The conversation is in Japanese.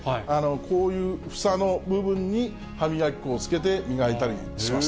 こういう房の部分に歯磨き粉をつけて磨いたりしました。